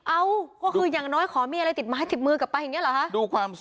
เอาฮะเอาคืออย่างน้อยของมีอะไรติดมาฮะกลิ่นมือกลับไปเนี่ยหรอฮะ